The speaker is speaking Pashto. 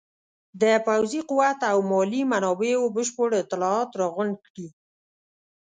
د پوځي قوت او مالي منابعو بشپړ اطلاعات راغونډ کړي.